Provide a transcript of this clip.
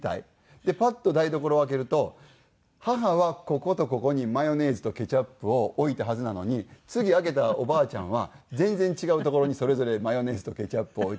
でパッと台所を開けると母はこことここにマヨネーズとケチャップを置いたはずなのに次開けたおばあちゃんは全然違う所にそれぞれマヨネーズとケチャップを置いてる。